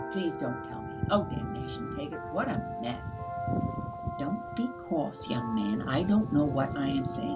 Please don't tell me. Oh, damnation take it, what a mess!" "Don't be cross, young man; I don't know what I am saying.